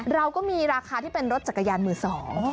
เราก็มีราคาที่เป็นรถจักรยานมือสอง